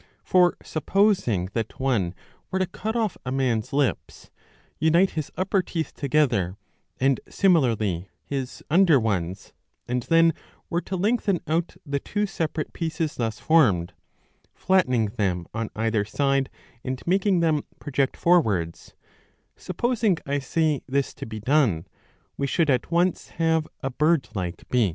For supposing that one were to cut off a man's lips, unite his upper teeth together, and similarly his under ones, and then were to lengthen out the two separate pieces thus formed, flat tening them on either side and making them project forwards, supposing I say this to be done, we should at once have a bird like beak.